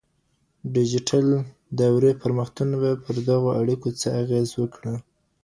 د ډیجیټل دورې پرمختګونه به پر دغو اړیکو څه اغېز وکړي؟